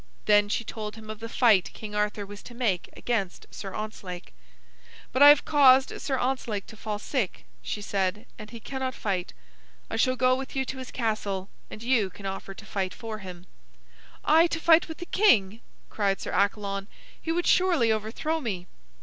Then she told him of the fight King Arthur was to make against Sir Ontzlake. "But I have caused Sir Ontzlake to fall sick," she said, "and he cannot fight. I shall go with you to his castle and you can offer to fight for him." "I to fight with the king!" cried Sir Accalon. "He would surely overthrow me."